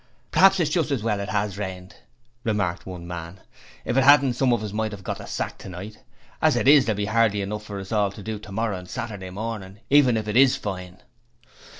'P'raps it's just as well it 'as rained,' remarked one man. 'If it 'adn't some of us might 'ave got the sack tonight. As it is, there'll be hardly enough for all of us to do tomorrer and Saturday mornin' even if it is fine.'